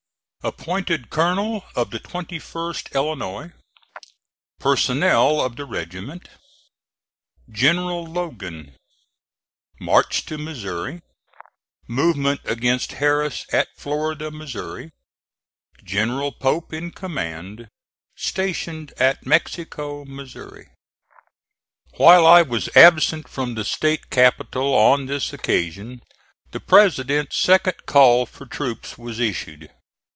APPOINTED COLONEL OF THE 21ST ILLINOIS PERSONNEL OF THE REGIMENT GENERAL LOGAN MARCH TO MISSOURI MOVEMENT AGAINST HARRIS AT FLORIDA, MO. GENERAL POPE IN COMMAND STATIONED AT MEXICO, MO. While I was absent from the State capital on this occasion the President's second call for troops was issued.